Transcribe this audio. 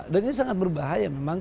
dan ini sangat berbahaya memang